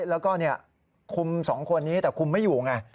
แล้วก็คุม๒คนนี้แต่คุมไม่อยู่ไง